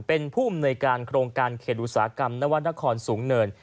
เป็นผู้อำนวยการโครงการเขตอุตสาหกรรมนวรรณครสูงเนิน